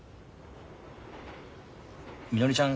みのりちゃん